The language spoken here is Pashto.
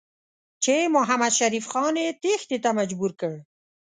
چې محمدشریف خان یې تېښتې ته مجبور کړ.